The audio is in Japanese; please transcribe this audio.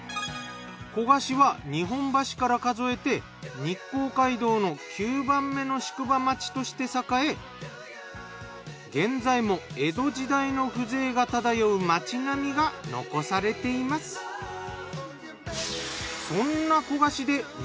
古河市は日本橋から数えて日光街道の９番目の宿場町として栄え現在も江戸時代の風情が漂う街並みが残されています。